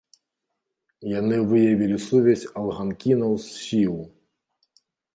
Яны выявілі сувязь алганкінаў з сіў.